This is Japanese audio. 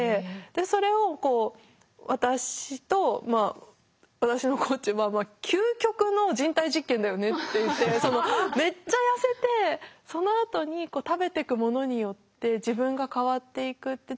でそれを私と私のコーチ「究極の人体実験だよね」って言ってめっちゃ痩せてそのあとに食べていくものによって自分が変わっていくって。